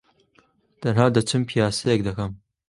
تەنھا دەچم پیاسەیەک دەکەم.